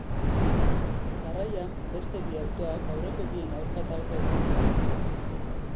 Jarraian beste bi autok aurreko bien aurka talka egin dute.